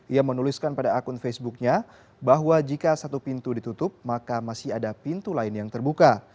ia menuliskan pada akun facebooknya bahwa jika satu pintu ditutup maka masih ada pintu lain yang terbuka